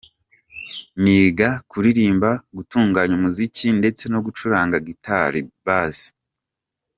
Niga Kuririmba, Gutunganya umuziki ndetse no gucuranga Guitar Base.